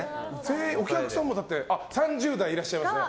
お客さんも３０代いらっしゃいますね。